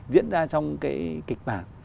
diễn ra trong cái kịch bản